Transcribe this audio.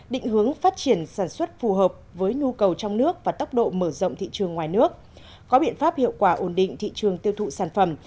định hướng phát triển sản xuất phù hợp với nhu cầu trong nước và tốc độ mở rộng thị trường ngoài nước có biện pháp hiệu quả ổn định thị trường tiêu thụ sản phẩm